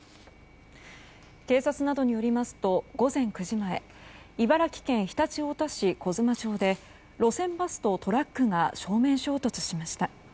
警察などによりますと午前９時前茨城県常陸太田市小妻町で路線バスとトラックが正面衝突しました。